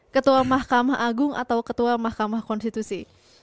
ketua mahkamah agung atau ketua mahkamah konstitusi